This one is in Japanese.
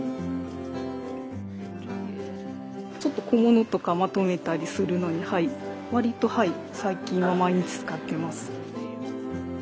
ちょっと小物とかまとめたりするのにわりと最近は毎日使ってます。